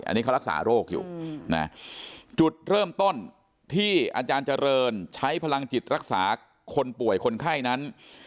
อันนี้เขารักษาโรคอยู่นะจุดเริ่มต้นที่อาจารย์เจริญใช้พลังจิตรักษาคนป่วยคนไข้นั้น